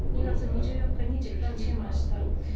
２月２４日に実感しました。